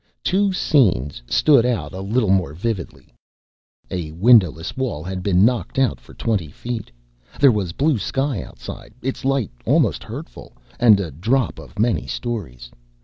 Two scenes stood out a little more vividly. A windowless wall had been knocked out for twenty feet. There was blue sky outside, its light almost hurtful, and a drop of many stories.